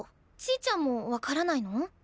ちぃちゃんも分からないの？